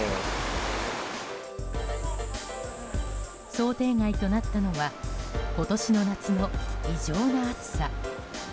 想定外となったのは今年の夏の異常な暑さ。